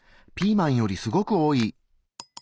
ピーマンよりすごく多い！